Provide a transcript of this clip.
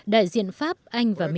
đại diện pháp anh và mỹ